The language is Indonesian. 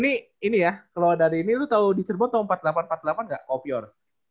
ini ya kalau dari ini lu tahu di cirebon tahu empat ribu delapan ratus empat puluh delapan nggak kopior